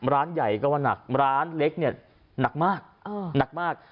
ร้านใหญ่ก็ว่านักร้านเล็กนี่หนักมาก